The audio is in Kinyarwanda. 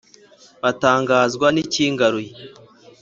batangazwa n’ikingaruye